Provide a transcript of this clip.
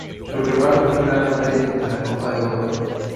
Su rival fue el Real Madrid en la Copa de Europa.